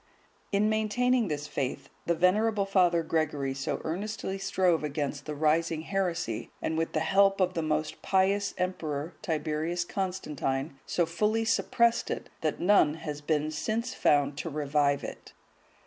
(150) In maintaining this faith, the venerable Father Gregory so earnestly strove against the rising heresy, and with the help of the most pious emperor, Tiberius Constantine,(151) so fully suppressed it, that none has been since found to revive it.